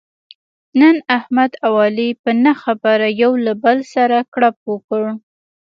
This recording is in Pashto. نن احمد او علي په نه خبره یو له بل سره کړپ وکړ.